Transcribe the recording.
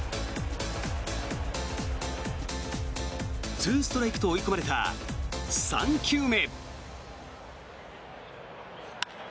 ２ストライクと追い込まれた３球目。